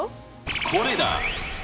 これだ！